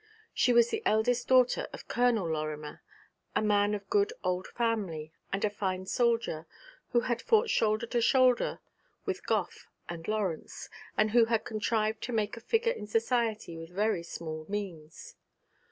She was the eldest daughter of Colonel Lorimer, a man of good old family, and a fine soldier, who had fought shoulder to shoulder with Gough and Lawrence, and who had contrived to make a figure in society with very small means.